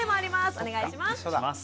お願いします。